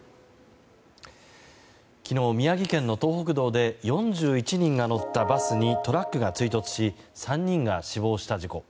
昨日宮城県の東北道で４１人が乗ったバスにトラックが追突し３人が死亡した事故。